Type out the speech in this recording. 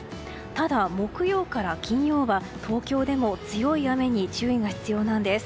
ただ、木曜から金曜は東京でも強い雨に注意が必要なんです。